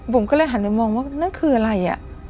ผมก็เลยหันไปมองว่านั่นคืออะไร